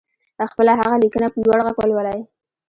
خپله هغه ليکنه په لوړ غږ ولولئ.